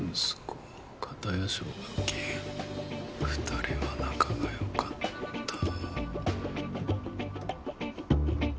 ２人は仲が良かった。